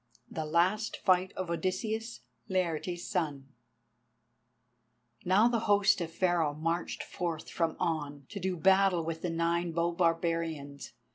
THE LAST FIGHT OF ODYSSEUS, LAERTES' SON Now the host of Pharaoh marched forth from On, to do battle with the Nine bow barbarians.